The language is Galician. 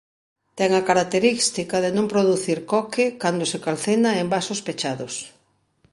Ten a característica de non producir coque cando se calcina en vasos pechados.